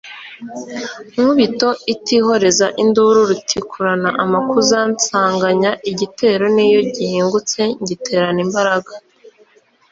Nkubito itihoreza induru, Rutikurana amakuza, nsanganya igitero n'iyo gihingutse ngiterana imbaraga,